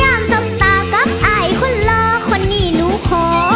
อ่านสับตากับอายคนล้อคนนี้หนูห่อ